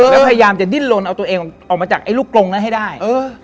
แล้วพยายามจะดิ้นลนเอาตัวเองออกมาจากไอ้ลูกกลงนั้นให้ได้